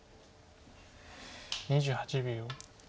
２８秒。